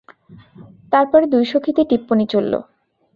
তার পরে দুই সখীতে টিপ্পনী চলল।